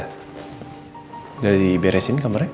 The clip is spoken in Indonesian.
sudah diberesin kamarnya